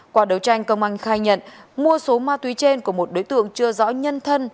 qua đấu tranh công anh khai nhận mua số ma túy trên của một đối tượng chưa rõ nhân thân